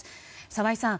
澤井さん